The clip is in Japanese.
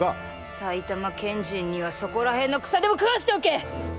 埼玉県人にはそこらへんの草でも食わせておけ。